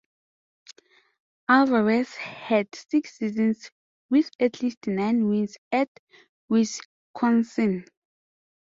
Alvarez had six seasons with at least nine wins at Wisconsin.